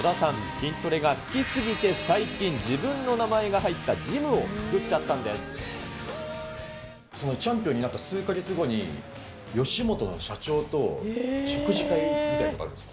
筋トレが好きすぎて最近、自分の名前が入ったジムを作っちゃったチャンピオンになった数か月後に、吉本の社長と食事会みたいのがあるんですよ。